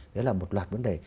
đấy là một loạt vấn đề